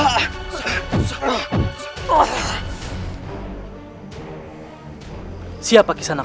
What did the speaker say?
tangan kan se histik